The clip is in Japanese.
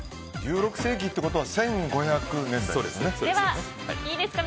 １６世紀ということは１５００年代ですね。